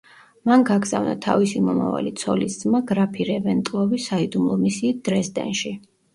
მან გაგზავნა თავისი მომავალი ცოლისძმა გრაფი რევენტლოვი საიდუმლო მისიით დრეზდენში.